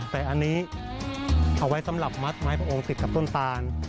แต่อันนี้เอาไว้สำหรับมัดไม้พระองค์ติดกับต้นตาล